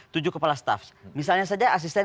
tujuh kepala staff misalnya saja asisten